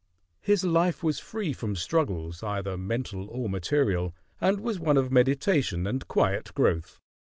His life was free from struggles, either mental or material, and was one of meditation and quiet growth.